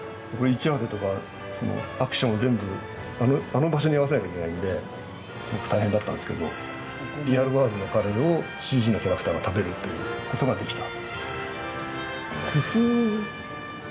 位置合わせとか、アクション全部あの場所に合わせないといけないのですごく大変だったんですけどリアルワールドなカレーをＣＧのキャラクターが食べるっていうことができた。